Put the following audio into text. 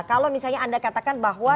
kalau misalnya anda katakan bahwa